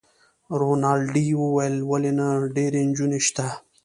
رینالډي وویل: ولي نه، ډیرې نجونې شته.